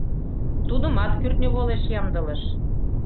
Тудымат кӱртньӧ волеш ямдылыш.